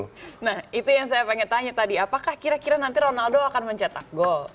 nah itu yang saya pengen tanya tadi apakah kira kira nanti ronaldo akan mencetak gol